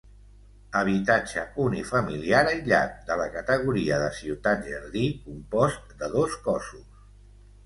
Habitatge unifamiliar aïllat, de la categoria de ciutat jardí, compost de dos cossos.